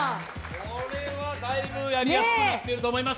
これはだいぶやりやすくなってると思います。